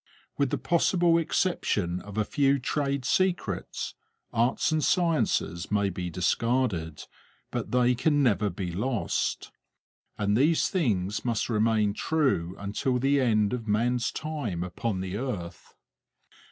With the possible exception of a few trade secrets, arts and sciences may be discarded, but they can never be lost. And these things must remain true until the end of man's time upon the earth.